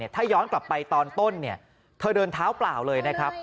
ถ้าย้อนกลับไปตอนต้นเนี่ยเธอเดินเท้าเปล่าเลยนะครับ